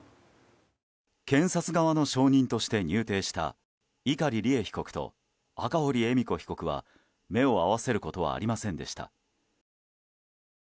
検察側の証人として入廷した碇利恵被告と赤堀恵美子被告は目を合わせることはありませんでした。